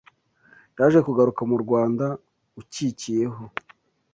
Yaje kugaruka mu Rwanda ukikiyeho